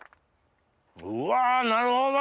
うわなるほど！